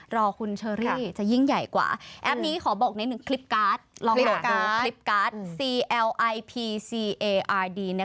ตอนคุณเชอรี่เดี๋ยวจะบอกว่า